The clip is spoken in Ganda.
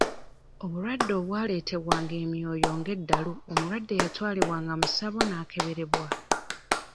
Obulwadde obwaleetebwanga emyoyo nga eddalu omulwadde yatwalibwanga mu ssabo n'akeberebwa.